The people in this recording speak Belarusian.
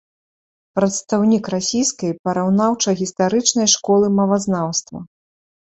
Прадстаўнік расійскай параўнаўча-гістарычнай школы мовазнаўства.